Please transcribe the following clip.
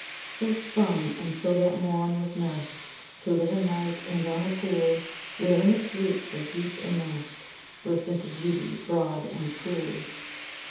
So sprung; and so that morn was nursed To live in light, and on the pool Wherein its roots were deep immersed Burst into beauty broad and cool.